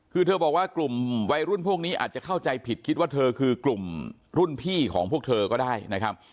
คือเธอบอกว่ากลุ่มวัยรุ่นพวกนี้อาจจะเข้าใจผิดคิดว่าเธอคือกลุ่มรุ่นพี่ของพวกเธอก็ได้นะครับ